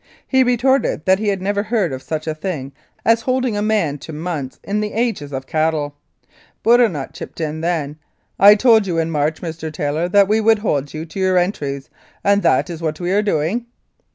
He retorted that he had never heard of such a thing as holding a man to months in the ages of cattle. Bourinot chipped in then, "I told you in March, Mr. Taylor, that we would hold you to your entries, and that is what we are doing.'